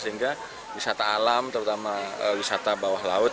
sehingga wisata alam terutama wisata bawah laut